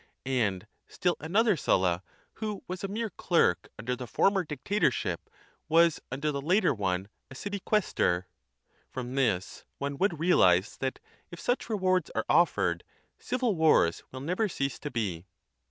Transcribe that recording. And still an other SuIIa, who was a mere clerk under the former dictatorship, was under the later one a city quaestor. From this, one would realize that, if such rewards are offered, civil wars will never cease to be.